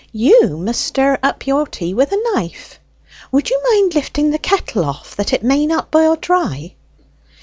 You must stir up your tea with a knife. Would you mind lifting the kettle off, that it may not boil dry?"